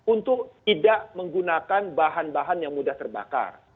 untuk tidak menggunakan bahan bahan yang mudah terbakar